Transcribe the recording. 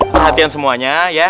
perhatian semuanya ya